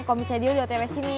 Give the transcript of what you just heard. kalau misalnya dia udah sampai sini